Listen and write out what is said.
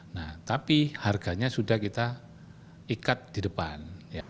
nah tapi harganya sudah kita ikat di depan